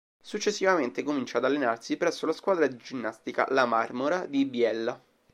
Successivamente comincia ad allenarsi presso la squadra di Ginnastica "La Marmora" di Biella.